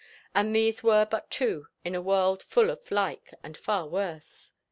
And these were but two, in a world full of the like and of far worse.